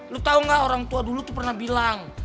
lo tau gak orang tua dulu tuh pernah bilang